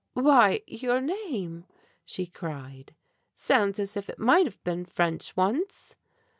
"Why, your name," she cried, "sounds as if it might have been French once!"